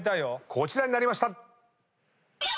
こちらになりました！